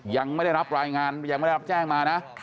ยังไม่ได้รับรายงานยังไม่ได้รับแจ้งมานะ